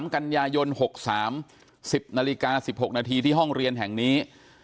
กันยายน๖๓๑๐นาฬิกา๑๖นาทีที่ห้องเรียนแห่งนี้